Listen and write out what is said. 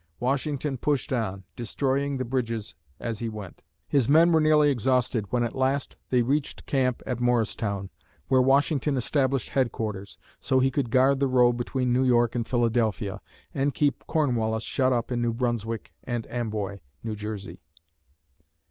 Washington pushed on, destroying the bridges as he went. His men were nearly exhausted when at last they reached camp at Morristown, where Washington established headquarters, so he could guard the road between New York and Philadelphia, and keep Cornwallis shut up in New Brunswick and Amboy (New Jersey).